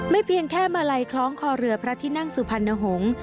เพียงแค่มาลัยคล้องคอเรือพระที่นั่งสุพรรณหงษ์